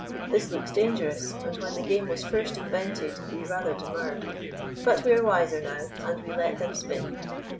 This looks dangerous, and when the game was first invented we rather demurred. But we are wiser now, and we let them spin.